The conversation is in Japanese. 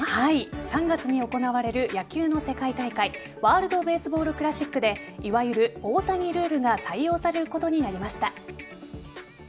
３月に行われる野球の世界大会ワールド・ベースボール・クラシックでいわゆる大谷ルールが採用されることになりました。